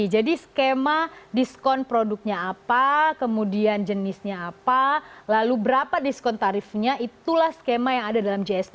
jadi skema diskon produknya apa kemudian jenisnya apa lalu berapa diskon tarifnya itulah skema yang ada dalam gsp